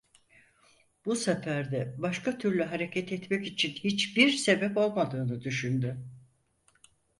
Bu sefer de başka türlü hareket etmek için hiçbir sebep olmadığını düşündü.